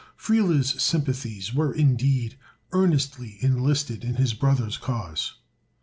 Friele's sympathies were indeed earnestly enlisted in his brother's cause.